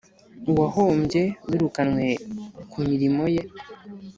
Uwahombye wirukanywe ku mirimo ye